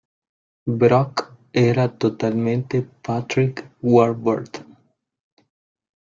Brock era totalmente Patrick Warburton.